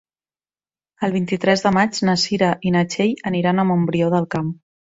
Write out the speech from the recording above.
El vint-i-tres de maig na Cira i na Txell aniran a Montbrió del Camp.